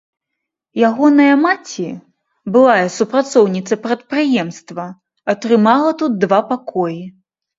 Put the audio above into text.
Ягоная маці, былая супрацоўніца прадпрыемства, атрымала тут два пакоі.